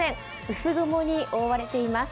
薄雲に覆われています。